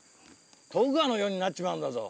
徳川の世になっちまうんだぞ。